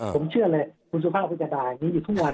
ผมเชื่อเลยคุณสุภาพก็จะด่าอย่างนี้อยู่ทุกวัน